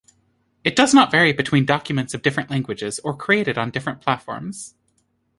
It does not vary between documents of different languages or created on different platforms.